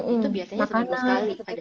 itu biasanya seminggu sekali